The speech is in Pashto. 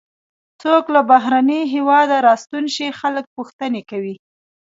څوک له بهرني هېواده راستون شي خلک پوښتنې کوي.